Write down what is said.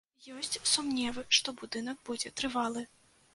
Ёсць сумневы, што будынак будзе трывалы.